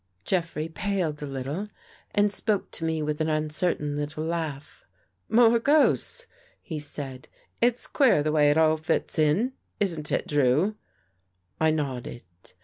Jeffrey paled a little and spoke to me with an uncertain little laugh. " More ghosts !" he said. " It's queer the way it all fits in, isn't it. Drew?" I nodded.